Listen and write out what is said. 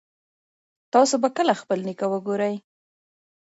تاسو به کله خپل نیکه وګورئ